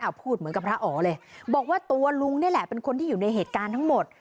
พูดเหมือนกับพระอ๋อเลยบอกว่าตัวลุงนี่แหละเป็นคนที่อยู่ในเหตุการณ์ทั้งหมด